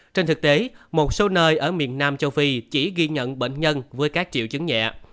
trên thực tế một số nơi ở miền nam châu phi chỉ ghi nhận bệnh nhân với các triệu chứng nhẹ